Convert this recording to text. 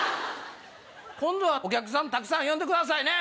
今度はお客さんたくさん呼んでくださいね！